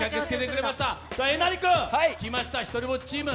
えなり君、来ました「ひとりぼっち」チーム。